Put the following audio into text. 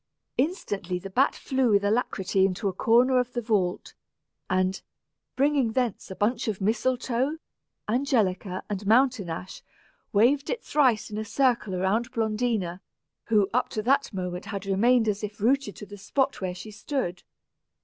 Instantly the bat flew with alacrity into a corner of the vault, and, bringing thence a bunch of mistletoe, angelica, and mountain ash, waved it thrice in a circle around Blondina, who up to that moment had remained as if rooted to the spot where she stood.